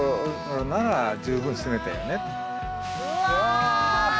うわ！